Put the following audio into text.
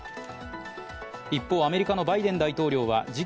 一方、アメリカのバイデン大統領は事件